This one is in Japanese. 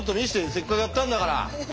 せっかくやったんだから。